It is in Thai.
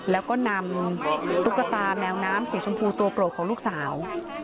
แล้วก็นำตุ๊กตาแมวน้ำสีชมพูตัวโปรดของลูกสาว